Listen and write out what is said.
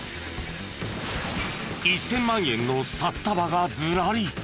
１０００万円の札束がずらり！